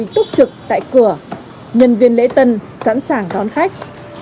túc trực tại cửa nhân viên lễ tân sẵn sàng đón khách